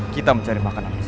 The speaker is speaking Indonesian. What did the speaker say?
kita mencari makanan bersama